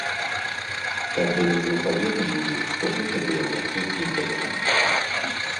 Тады мне паведамілі, што гэта было рашэнне дэкана.